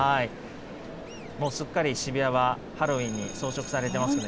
もうすっかり渋谷はハロウィーンに装飾されてますね。